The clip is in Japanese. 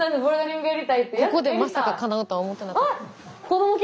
ここでまさかかなうとは思ってなかった。